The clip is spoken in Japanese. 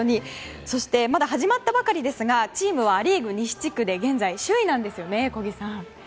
まだ始まったばかりですがチームはア・リーグ西地区で現在、首位なんですね。